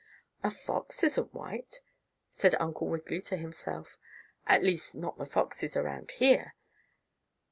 "A fox isn't white," Uncle Wiggily said to himself, "at least not the foxes around here.